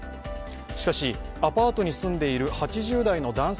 しかし、アパートに住んでいる８０代の男性